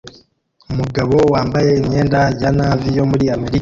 Umugabo wambaye imyenda ya Navy yo muri Amerika